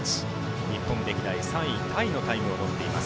日本歴代３位タイのタイムを持っています